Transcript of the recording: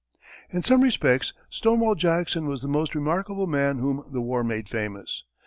In some respects Stonewall Jackson was the most remarkable man whom the war made famous.